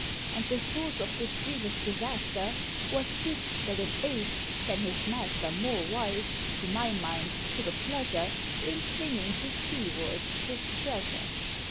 And the source of this grievous disaster Was this, that an Ape, than his master More wise, to my mind, took a pleasure In flinging to seaward his treasure.